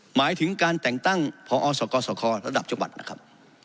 หมายถึงการแต่งตั้งพอสกสคระดับจังหวัดนะครับ